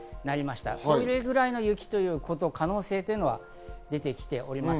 それぐらいの雪という可能性というのが出てきております。